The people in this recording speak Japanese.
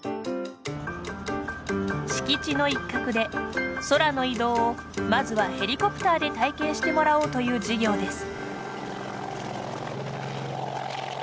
敷地の一角で、空の移動をまずはヘリコプターで体験してもらおうという事業です。